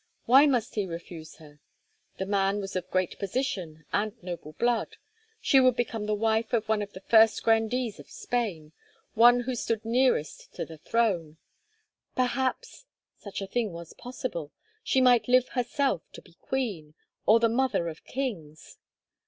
Why must he refuse her? The man was of great position and noble blood; she would become the wife of one of the first grandees of Spain, one who stood nearest to the throne. Perhaps—such a thing was possible—she might live herself to be queen, or the mother of kings.